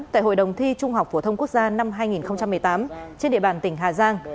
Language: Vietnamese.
tại hội đồng thi trung học phổ thông quốc gia năm hai nghìn một mươi tám trên địa bàn tỉnh hà giang